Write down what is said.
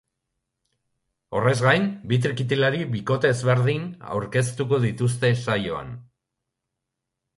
Horrez gain, bi trikitilari bikote ezberdin aurkeztuko dituzte saioan.